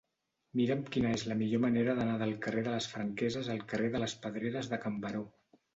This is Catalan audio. Mira'm quina és la millor manera d'anar del carrer de les Franqueses al carrer de les Pedreres de Can Baró